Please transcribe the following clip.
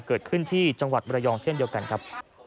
เกิดขึ้นที่จังหวัดมรยองเช่นเดียวกันครับ